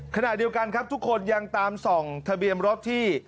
ขณะเดียวกันครับทุกคนยังตามส่องทะเบียนรถที่